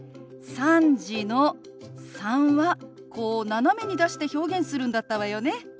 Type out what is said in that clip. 「３時」の「３」はこう斜めに出して表現するんだったわよね。